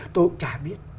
tớ cũng chả biết